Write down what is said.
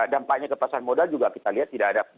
dampaknya keperasaan modal juga kita lihat tidak ada